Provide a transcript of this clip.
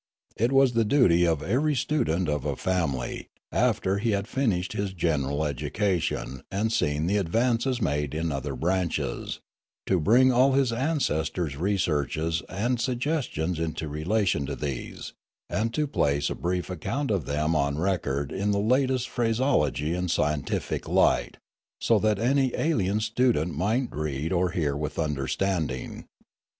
It was the duty of every new student of a family, after he had finished his general education and seen the advances made in other branches, to bring all his ancestors* re searches and suggestions into relation to these, and to place a brief account of them on record in the latest phraseology and scientific light, so that any alien student might read or hear with understanding.